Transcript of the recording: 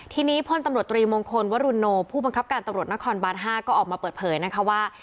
ทีนี้พลตำรวจตรีมงคลวรุโนผู้บังคับการตำรวจนครบาน๕ก็ออกมาเปิดเผยนะคะว่า